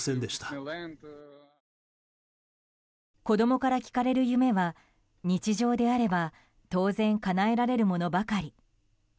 子供から聞かれる夢は日常であれば当然かなえられるものばかり。